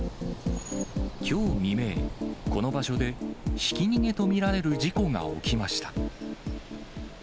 きょう未明、この場所で、ひき逃げと見られる事故が起きました。